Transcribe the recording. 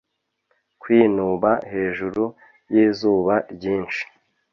kwinuba hejuru yizuba ryinshi